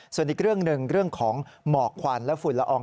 ส่วนอีกเรื่องหนึ่งเรื่องของหมอกควันและฝุ่นละออง